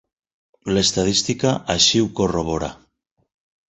L'estadística així ho corrobora.